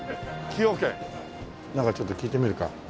なんかちょっと聞いてみるか。